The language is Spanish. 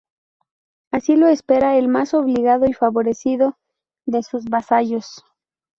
Así lo espera el más obligado y favorecido de sus vasallos.